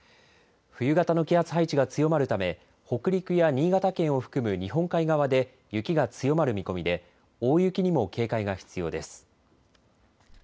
冬型の気圧配置が強まるため北陸や新潟県を含む日本海側で雪が強まる見込みで大雪にも警戒が必要です。